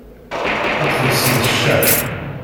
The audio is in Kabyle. Ad txellṣem s ccak.